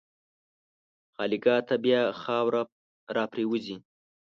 خالیګاه ته بیا خاوره راپرېوځي.